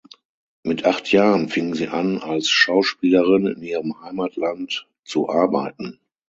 Mit acht Jahren fing sie an als Schauspielerin in ihrem Heimatland zu arbeiten.